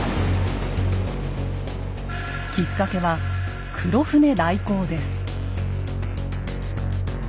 きっかけは黒船来航です。